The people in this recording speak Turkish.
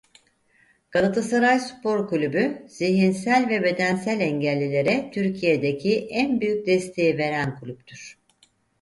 Galatasaray Spor Kulübü zihinsel ve bedensel engellilere Türkiye' deki en büyük desteği veren kulüptür.